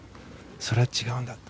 それは違うんだって。